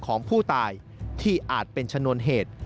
ของผู้ตายที่อาจเป็นชนวนเหตุ